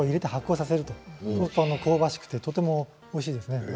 そうすると香ばしくてとてもおいしいですね。